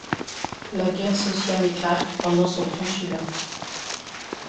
La guerre sociale éclate pendant son consulat.